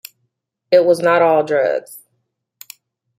It was not all drugs.